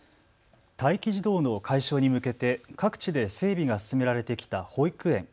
待機児童の解消に向けて各地で整備が進められてきた保育園。